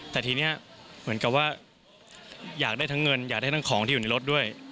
แต่ทีนี้เหมือนกับว่าอยากได้ทั้งเงินอยากได้ทั้งของที่อยู่ในรถด้วย